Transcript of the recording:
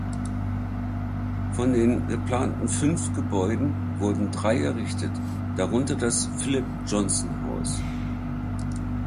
Von den geplanten fünf Gebäuden wurden drei errichtet, darunter das Philip-Johnson-Haus.